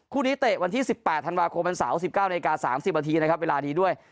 คู่นี้เตะวันที่๑๘ธันวาคมวันเสาร์๑๙นาที๓๐นาทีนะครับเวลาดีด้วย